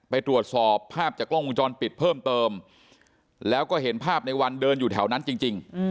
ไปตรวจสอบภาพจากกล้องวงจรปิดเพิ่มเติมแล้วก็เห็นภาพในวันเดินอยู่แถวนั้นจริง